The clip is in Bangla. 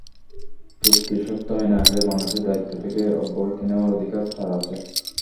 চুক্তির শর্ত মেনে আগেই বাংলাদেশের দায়িত্ব থেকে অব্যাহতি নেওয়ার অধিকার তাঁর আছে।